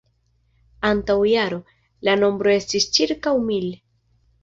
Antaŭ jaro, la nombro estis ĉirkaŭ mil.